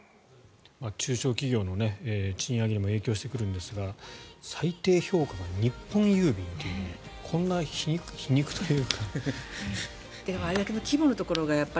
中小企業の賃上げにも影響してくるんですが最低評価が日本郵便という。